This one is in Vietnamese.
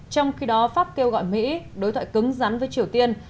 trong khi đó pháp kêu gọi mỹ đối thoại cứng rắn với triều tiên